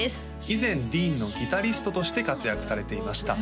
以前ＤＥＥＮのギタリストとして活躍されていました